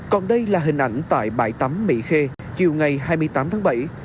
còn đây là hình ảnh tại bãi tắm mỹ khê chiều ngày hai mươi tám tháng bảy